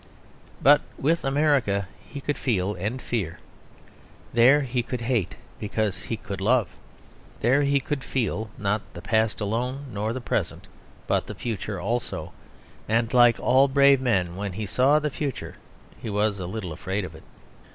But with America he could feel and fear. There he could hate, because he could love. There he could feel not the past alone nor the present, but the future also; and, like all brave men, when he saw the future he was a little afraid of it.